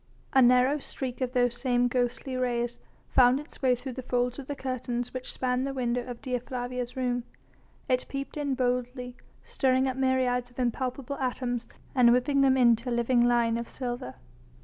A narrow streak of those same ghostly rays found its way through the folds of the curtains which spanned the window of Dea Flavia's room. It peeped in boldly, stirring up myriads of impalpable atoms and whipping them into a living line of silver.